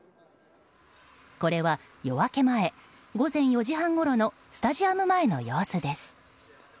これは夜明け前午前４時半ごろのスタジアム前の様子です。